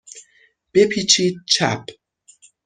بپیچید چپ.